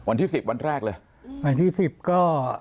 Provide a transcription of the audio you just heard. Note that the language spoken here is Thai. วันที่๑๐วันแรกเลยวันที่๑๐ก็